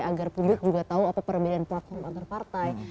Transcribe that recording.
agar publik juga tahu apa perbedaan platform antar partai